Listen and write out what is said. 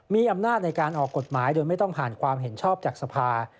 มีอำนาจในการออกกฎหมายโดยไม่ต้องผ่านความเห็นชอบจากสภา